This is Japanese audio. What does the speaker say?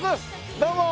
どうも！